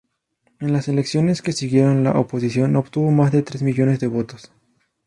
En las elecciones que siguieron la oposición obtuvo más de tres millones de votos.